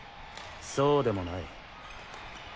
そうでもない。